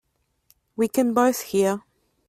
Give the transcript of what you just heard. We can both hear.